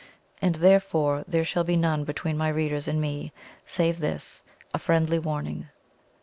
And therefore there shall be none between my readers and me, save this a friendly warning.